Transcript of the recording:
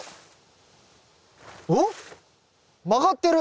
わっ曲がってる。